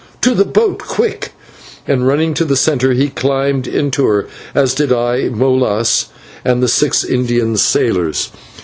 To the boat, quick!" and, running to the cutter, he climbed into her, as did I, Molas, and the six Indian sailors.